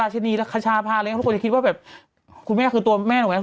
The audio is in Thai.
ได้แล้วด้านล้างผู้หญิงอยากไปกันเนอะ